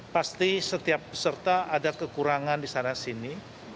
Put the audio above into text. pasti setiap peserta ada kekurangan di sana sini